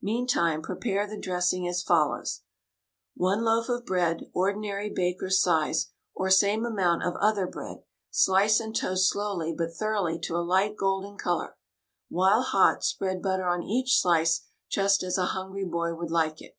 Meantime, prepare the dressing as follows: One loaf of bread, ordinary baker's size, or same amount of other bread, slice and toast slowly but thoroughly to a light golden color; while hot, spread butter on each slice just as a hungry boy would like it.